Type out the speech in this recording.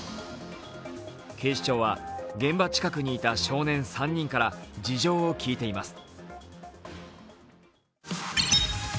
警視庁は、現場近くにいた少年３人から事情を聞いています。